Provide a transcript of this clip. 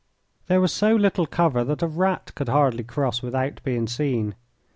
There was so little cover that a rat could hardly cross without being seen.